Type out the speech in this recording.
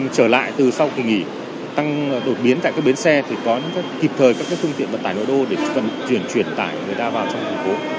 trở lại từ sau kỳ nghỉ tăng đột biến tại các bến xe thì có kịp thời các thương tiện vận tải nội đô để chuyển chuyển tải người ta vào trong thành phố